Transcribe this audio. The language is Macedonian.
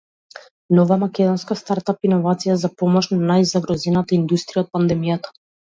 Нова македонска стартап иновација за помош на најзагрозената индустрија од пандемијата